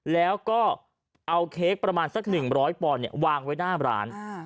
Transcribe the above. แล้วก็เอาเค้กประมาณสัก๑๐๐ปอนด์วางไว้หน้าร้าน